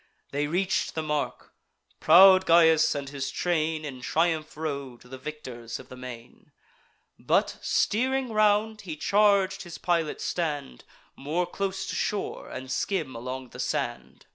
They reach'd the mark; proud Gyas and his train In triumph rode, the victors of the main; But, steering round, he charg'd his pilot stand More close to shore, and skim along the sand.